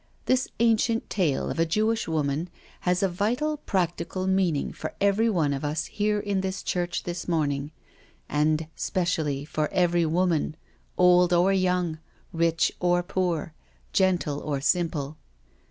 This ancient tale of a Jewish woman has a vital, practical meaning for every one of us here in this church this morning— and specially for every woman — old or young, rich or poor, gentle or simple.